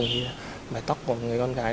cho cùng mái tóc của người con gái